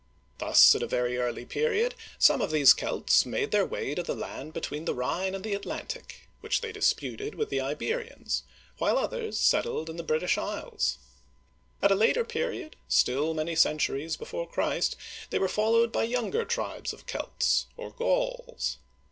Thus at a very early period somb of these Celts made their way to the land between the Rhine and the Atlantic, which they disputed with the Iberians, while others settled in the British Isles.^ At a later period, still many centuries before Christ, they were followed by younger tribes of Celts, or Gauls.